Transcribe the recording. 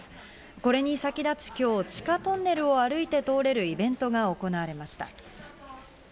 これに先立ち今日、地下トンネルを歩いて通れるイベントが行われました。